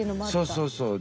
そうそうそう。